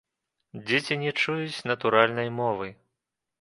Дзеці не чуюць натуральнай мовы.